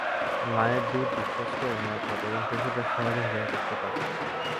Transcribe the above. মায়ের দুধ বিশ্বস্ত ও নিরাপদ এবং শিশু যা সহজেই হজম করতে পারে।